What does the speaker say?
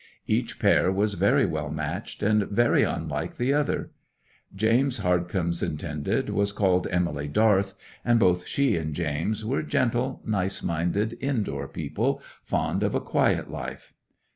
Each pair was very well matched, and very unlike the other. James Hardcome's intended was called Emily Darth, and both she and James were gentle, nice minded, in door people, fond of a quiet life.